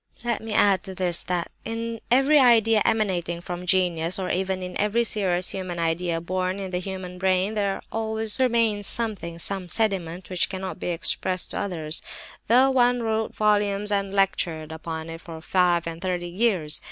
"Let me add to this that in every idea emanating from genius, or even in every serious human idea—born in the human brain—there always remains something—some sediment—which cannot be expressed to others, though one wrote volumes and lectured upon it for five and thirty years.